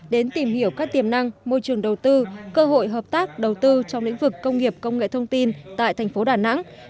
đến tìm hiểu các tiềm năng môi trường đầu tư cơ hội hợp tác đầu tư trong lĩnh vực công nghiệp công nghệ thông tin tại thành phố đà nẵng